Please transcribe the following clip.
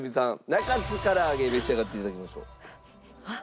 中津からあげ召し上がって頂きましょう。